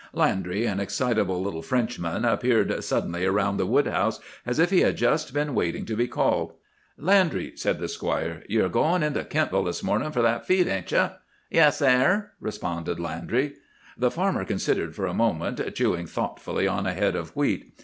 "Landry, an excitable little Frenchman, appeared suddenly around the woodhouse, as if he had just been waiting to be called. "'Landry,' said the squire, 'you're goin' in to Kentville this mornin' for that feed, ain't you?' "'Yes, sare,' responded Landry. "The farmer considered for a moment, chewing thoughtfully on a head of wheat.